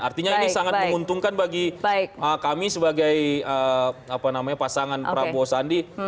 artinya ini sangat menguntungkan bagi kami sebagai pasangan prabowo sandi